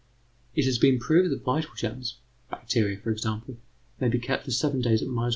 It has been proved that vital germs bacteria, for example may be kept for seven days at 190°C.